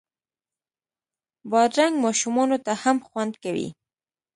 بادرنګ ماشومانو ته هم خوند کوي.